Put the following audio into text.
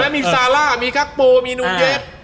มีซาร่ามีคักโปมีนูเย็บ